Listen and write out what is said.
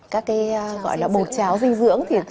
các cái gọi là bột cháo dinh dưỡng